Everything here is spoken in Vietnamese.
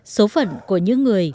số phận của những người